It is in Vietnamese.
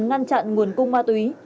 ngăn chặn nguồn cung ma túy